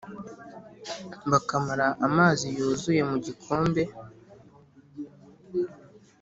Bakamara amazi yuzuye mu gikombe